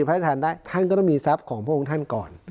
พระราชทานได้ท่านก็ต้องมีทรัพย์ของพระองค์ท่านก่อน